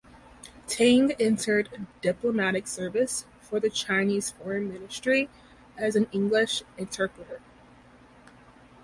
Tang entered diplomatic service for the Chinese Foreign Ministry as an English interpreter.